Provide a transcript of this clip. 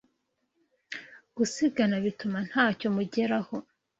Gusigana bituma ntacyo mugeraho